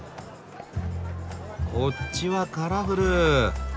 こっちはカラフル！